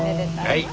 はい。